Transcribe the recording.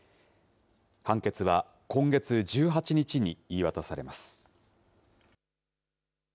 判決は今月１８日に言い渡されます。